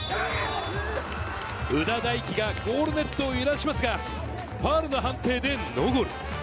夘田大揮がゴールネットを揺らしますが、ファウルの判定でノーゴール。